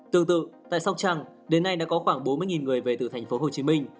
tương tự tại sóc trăng đến nay đã có khoảng bốn mươi người về từ thành phố hồ chí minh